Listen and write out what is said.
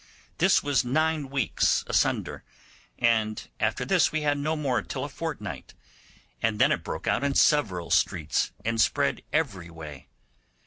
This was nine weeks asunder, and after this we had no more till a fortnight, and then it broke out in several streets and spread every way.